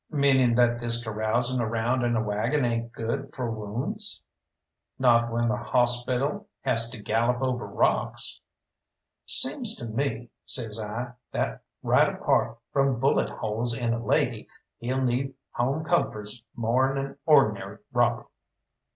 "Meaning that this carousing around in a waggon ain't good for wounds?" "Not when the hawspital has to gallop over rocks." "Seems to me," says I, "that right apart from bullet holes in a lady, he'll need home comforts more'n an or'nary robber."